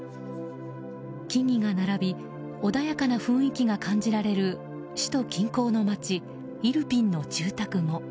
木々が並び穏やかな雰囲気が感じられる首都近郊の街イルピンの住宅も。